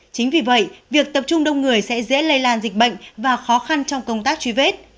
chính vì vậy việc tập trung đông người sẽ dễ lây lan dịch bệnh và khó khăn trong công tác truy vết